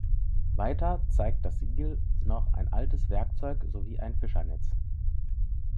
Weiter zeigt das Siegel noch ein altes Werkzeug sowie ein Fischernetz.